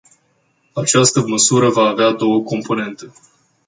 Această măsură va avea două componente.